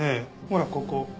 ほらここ。